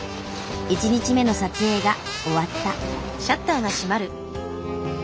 １日目の撮影が終わった。